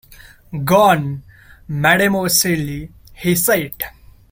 "Go on, mademoiselle," he said.